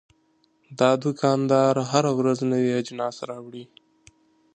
دا دوکاندار هره ورځ نوي اجناس راوړي.